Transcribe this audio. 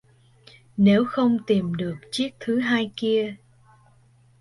Nếu không tìm được chiếc thứ hai kia!